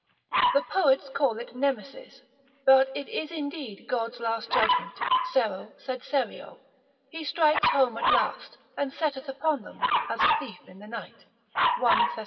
The poets call it Nemesis, but it is indeed God's just judgment, sero sed serio, he strikes home at last, and setteth upon them as a thief in the night, 1 Thes.